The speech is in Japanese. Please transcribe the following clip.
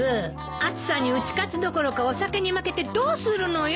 暑さに打ち勝つどころかお酒に負けてどうするのよ！